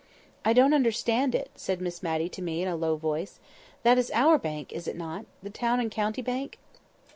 "I don't understand it," said Miss Matty to me in a low voice. "That is our bank, is it not?—the Town and County Bank?"